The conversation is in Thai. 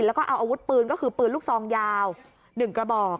แล้วก็เอาอาวุธปืนก็คือปืนลูกซองยาว๑กระบอก